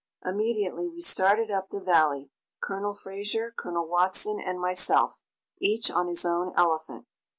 Immediately we started up the valley, Col. Fraser, Col. Watson and myself, each on his own elephant.